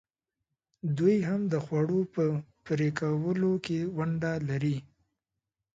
دوی هم د خوړو په پرې کولو کې ونډه لري.